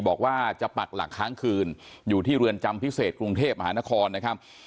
บอกว่าจะปักหลักค้างคืนอยู่ที่เรือนจำพิเศษกรุงเทพมหานครนะครับ